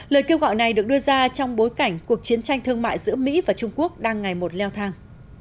lời kêu gọi này được đưa ra trong bối cảnh cuộc chiến tranh thương mại giữa mỹ và trung quốc đang ngày một leo thang